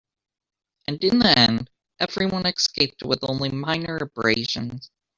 And in the end, everyone escaped with only minor abrasions.